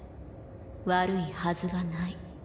悪いはずがない。